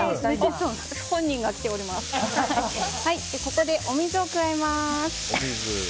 ここでお水を加えます。